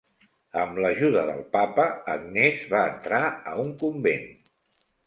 Amb l'ajuda del papa, Agnès va entrar a un convent.